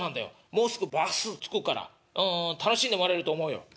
もうすぐバス着くからうん楽しんでもらえると思うよ」。